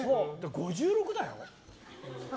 ５６だよ？